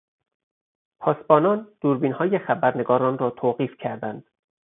پاسبانان دوربینهای خبرنگاران را توقیف کردند.